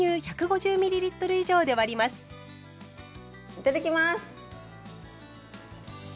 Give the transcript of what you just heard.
いただきます！